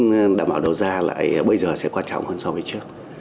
nhưng đảm bảo đầu ra lại bây giờ sẽ quan trọng hơn so với trước